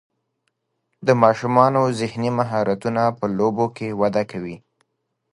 د ماشومانو ذهني مهارتونه په لوبو کې وده کوي.